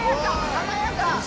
華やか！